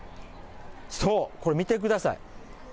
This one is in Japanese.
そう、これ見てください。